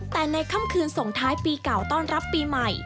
แต่ในค่ำคืนส่งท้ายปีเก่าต้อนรับปีใหม่